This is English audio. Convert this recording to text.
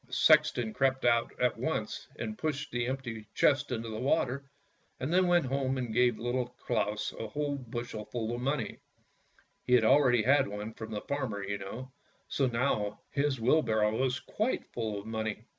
The sexton crept out at once and pushed the empty chest into the water, and then went home and gave Little Claus a whole bushel full of money: he had already had one from the farmer, you know, so now his wheelbarrow was quite full of money.